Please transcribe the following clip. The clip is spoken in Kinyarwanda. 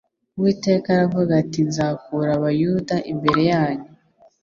uwiteka aravuga ati nzakura abayuda imbere ya nyu